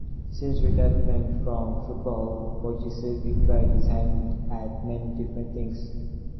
Since retirement from football, Bogicevic tried his hand at many different things.